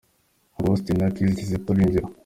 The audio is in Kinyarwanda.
Uncle Austin na Khiz kizito binjira.